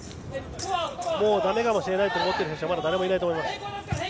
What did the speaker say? もうだめかもしれないと思っている選手は誰もいないと思います。